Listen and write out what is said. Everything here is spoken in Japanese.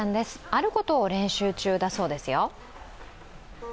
あることを練習中だそうですよ。